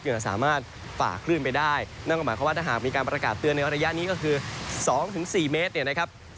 จะสามารถฝ่าคลื่นไปได้นั่นก็หมายความว่าถ้าหากมีการประกาศเตือนในระยะนี้ก็คือ๒๔เมตรเนี่ยนะครับ